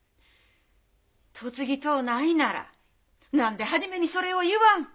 嫁ぎとうないなら何で初めにそれを言わん？